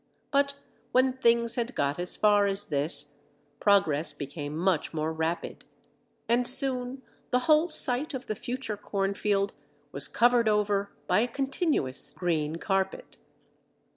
But when things had got as far as this, progress became much more rapid, and soon the whole site of the future cornfield was covered over by a continuous green carpet.